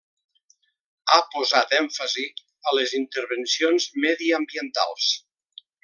Ha posat èmfasi a les intervencions mediambientals.